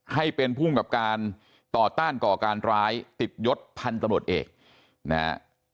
ให้เป็นภูมิกับการต่อต้านก่อการร้ายติดยศพันตำรวจเอกนะฮะ